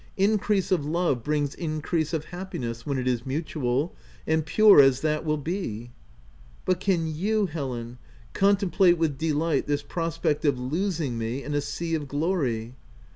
Increase of love brings increase of happiness, when it is mutual, and pure as that will be." " But can you, Helen, contemplate with de light this prospect of losing me in a sea of glory?"